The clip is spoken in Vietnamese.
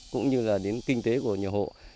cũng như là đến kinh tế của nhà